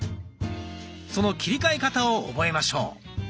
その切り替え方を覚えましょう。